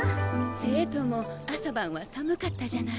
西都も朝晩は寒かったじゃない。